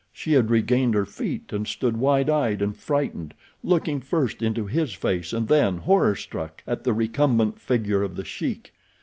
She had regained her feet and stood wide eyed and frightened, looking first into his face and then, horror struck, at the recumbent figure of The Sheik.